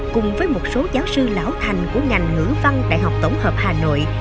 cùng với một số giáo sư lão thành của ngành ngữ văn đại học tổng hợp hà nội